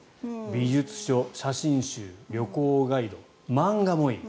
美術書、写真集旅行ガイド、漫画もいい。